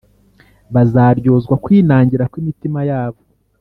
Bazaryozwa kwinangira kw’imitima yabo